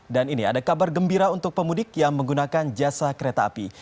dan ini ada kabar gembira untuk pemudik yang menggunakan jasa kereta api